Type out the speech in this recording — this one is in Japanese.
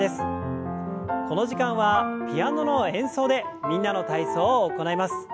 この時間はピアノの演奏で「みんなの体操」を行います。